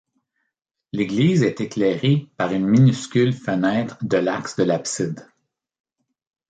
L'église est éclairée par une minuscule fenêtre de l'axe de l'abside.